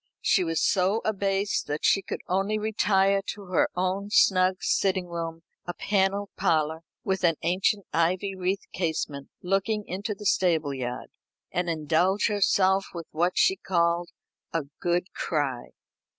She was so abased that she could only retire to her own snug sitting room, a panelled parlour, with an ancient ivy wreathed casement looking into the stable yard, and indulge herself with what she called "a good cry."